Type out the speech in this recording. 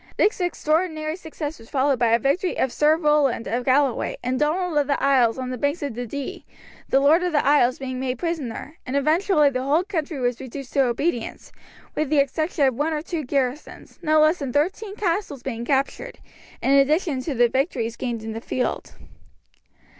This extraordinary success was followed by a victory over Sir Roland of Galloway and Donald of the Isles on the banks of the Dee, the Lord of the Isles being made prisoner; and eventually the whole country was reduced to obedience, with the exception of one or two garrisons, no less than thirteen castles being captured, in addition to the victories gained in the field.